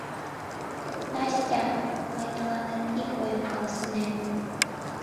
Настя, мый тыланет ик ойым каласынем.